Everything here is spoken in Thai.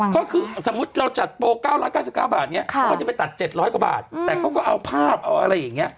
ก็คือสมมุติเราจัดโปร๙๙๙บาทเนี่ยเขาก็จะไปตัด๗๐๐กว่าบาทแต่เขาก็เอาภาพเอาอะไรอย่างนี้